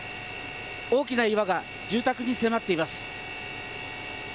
大きな岩が住宅に迫っています。